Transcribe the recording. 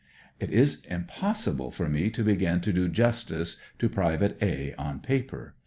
It is impossible for me to begin to do justice to Pte. A on paper.